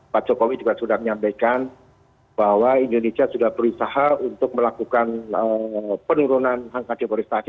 pak jokowi juga sudah menyampaikan bahwa indonesia sudah berusaha untuk melakukan penurunan angka deforestasi